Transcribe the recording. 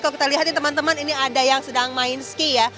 kalau kita lihat teman teman ini ada yang sedang main ski ya